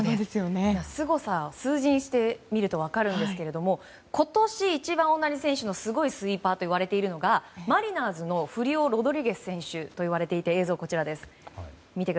すごさを数字にしてみると分かるんですけど今年一番すごいスイーパーといわれているのがマリナーズのフリオ・ロドリゲス選手といわれていて映像、こちらです。